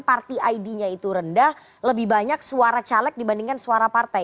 parti id nya itu rendah lebih banyak suara caleg dibandingkan suara partai